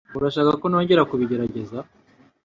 Urashaka ko nongera kubigerageza?